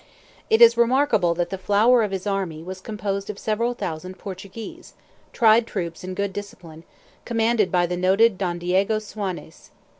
It is remarkable that the flower of his army was composed of several thousand Portuguese, tried troops in good discipline, commanded by the noted Don Diego Suanes.